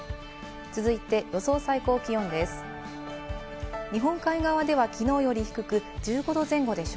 続いて予想最高気温です。